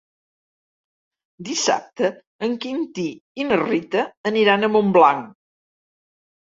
Dissabte en Quintí i na Rita aniran a Montblanc.